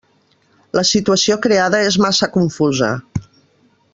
La situació creada és massa confusa.